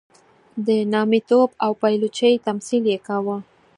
د نامیتوب او پایلوچۍ تمثیل یې کاوه.